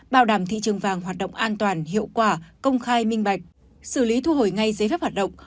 bảo đảm thị trường vàng hoạt động an toàn hiệu quả công khai minh bạch xử lý thu hồi ngay giấy phép hoạt động